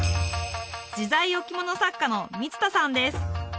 自在置物作家の満田さんです